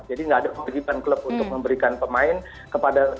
jadi nggak ada keberikan klub untuk memberikan pemain kepada